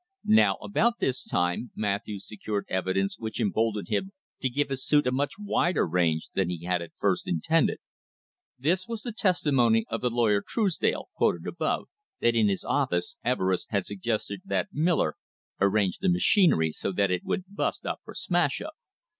Now about this time Matthews secured evidence which emboldened him to give his suit a much wider range than he had at first intended. This was the testimony of the lawyer Truesdale, quoted above, that in his office Everest had suggested that Miller "arrange the machinery so that it would bust up or smash up."